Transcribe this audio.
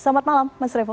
selamat malam mas revo